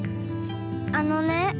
あのね。